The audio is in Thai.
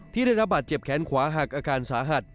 ได้รับบาดเจ็บแขนขวาหักอาการสาหัส